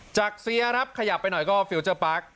จากเซียครับขยับไปหน่อยก็ฟิลเจอร์ปาร์ค